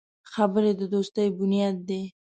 خبرې د دوستي بنیاد دی